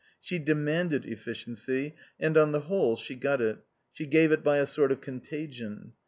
She demanded efficiency, and, on the whole, she got it; she gave it by a sort of contagion.